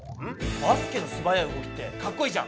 バスケのすばやい動きってかっこいいじゃん！